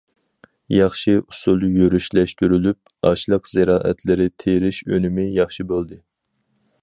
ياخشى ئۇسۇل يۈرۈشلەشتۈرۈلۈپ، ئاشلىق زىرائەتلىرى تېرىش ئۈنۈمى ياخشى بولدى.